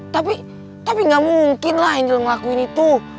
tapi tapi gak mungkin lah angel ngelakuin itu